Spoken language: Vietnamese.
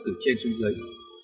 từ trên xuống dưới